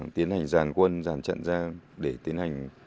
tiến hành giàn quân giàn trận ra để tiến hành